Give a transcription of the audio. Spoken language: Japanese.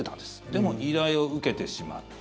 でも、依頼を受けてしまった。